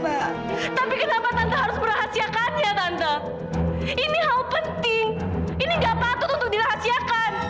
tapi kenapa tanta harus merahasiakannya tante ini hal penting ini enggak patut untuk dirahasiakan